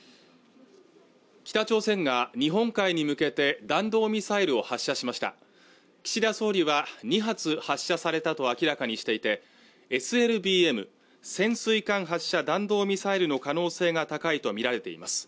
北朝鮮が日本海に向けて弾道ミサイルを発射しました岸田総理は２発発射されたと明らかにしていてＳＬＢＭ＝潜水艦発射弾道ミサイルの可能性が高いと見られています